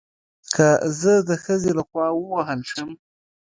که زه د ښځې له خوا ووهل شم